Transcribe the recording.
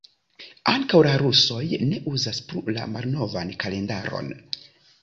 Ankaŭ la rusoj ne uzas plu la malnovan kalendaron.